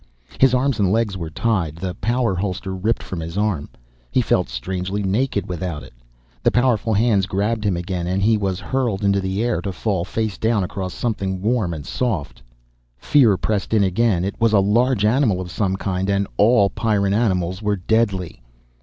His arms and legs were tied, the power holster ripped from his arm. He felt strangely naked without it. The powerful hands grabbed him again and he was hurled into the air, to fall face down across something warm and soft. Fear pressed in again, it was a large animal of some kind. And all Pyrran animals were deadly.